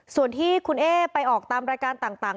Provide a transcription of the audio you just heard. ส่วนที่คุณเอ๊ไปออกตามรายการต่าง